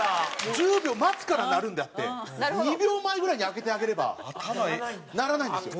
１０秒待つから鳴るんであって２秒前ぐらいに開けてあげれば鳴らないんですよ。